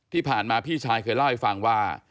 ที่ผ่านมาพี่ชายเคยเล่าให้ฟังว่า